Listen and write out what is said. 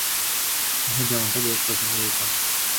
তোমার জামাটা বেশ পছন্দ হয়েছে আমার।